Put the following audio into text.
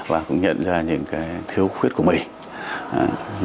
và cũng nhận ra những thiếu khuyết của mình